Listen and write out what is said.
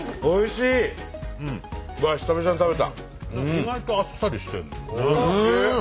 意外とあっさりしてる。